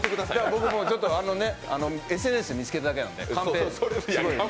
僕、ＳＮＳで見つけただけなんで。